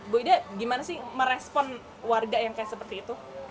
bu ida gimana sih merespon warga yang kayak seperti itu